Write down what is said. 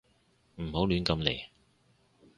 唔好亂咁嚟